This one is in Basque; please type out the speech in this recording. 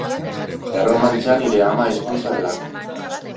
Erromantzea nire ama hizkuntza delako.